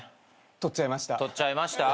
取っちゃいました？